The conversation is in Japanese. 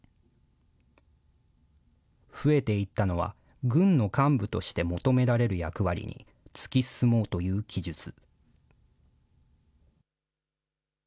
増えていったのは軍の幹部として求められる役割に突き進もうという記述。